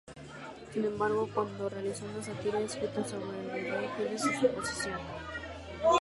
Sin embargo, cuándo realizó una sátira escrita sobre el Virrey, pierde su posición.